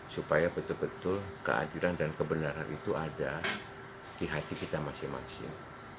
supaya betul betul keadilan dan kebenaran itu ada di hati kita masing masing